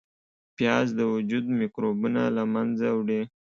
پیاز د وجود میکروبونه له منځه وړي